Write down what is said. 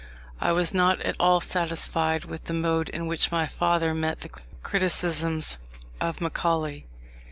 I was not at all satisfied with the mode in which my father met the criticisms of Macaulay.